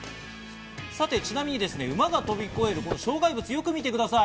ちなみに馬が飛び越える障害物、よく見てください。